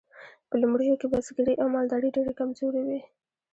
په لومړیو کې بزګري او مالداري ډیرې کمزورې وې.